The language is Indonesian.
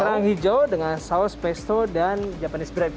kerang hijau dengan saus pesto dan japanese grebe